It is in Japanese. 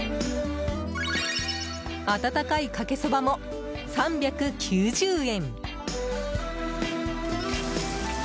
温かいかけそばも、３９０円。